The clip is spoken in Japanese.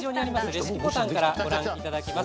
レシピボタンからご覧いただけます。